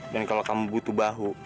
dan kalau kamu butuh bahu